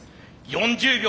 ４０秒！